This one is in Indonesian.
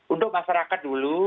untuk masyarakat dulu